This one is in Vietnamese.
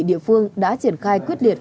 địa phương đã triển khai quyết liệt